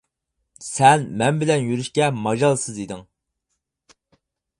سەن مەن بىلەن يۈرۈشكە ماجالسىز ئىدىڭ.